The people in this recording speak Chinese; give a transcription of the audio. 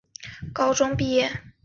将范围拓展至高中职毕业生